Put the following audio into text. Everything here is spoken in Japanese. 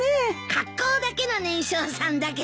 格好だけの年少さんだけどね。